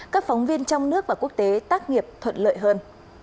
các phóng viên trong nước và quốc tế tác nghiệp thuận lợi hơn